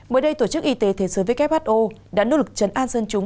mới đây tổ chức y tế thế giới who đã nỗ lực chấn an dân chúng